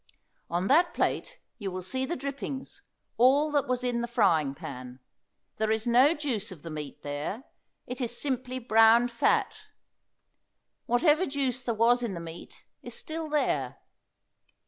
On that plate you will see the drippings, all that was in the frying pan. There is no juice of the meat there; it is simply browned fat. Whatever juice there was in the meat is still there.